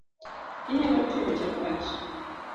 Inyalo tedo chapat